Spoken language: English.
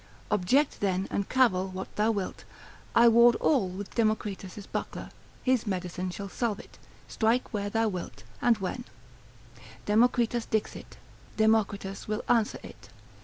Object then and cavil what thou wilt, I ward all with Democritus's buckler, his medicine shall salve it; strike where thou wilt, and when: Democritus dixit, Democritus will answer it.